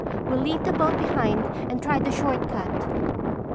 We'll leave the boat behind and try the shortcut!"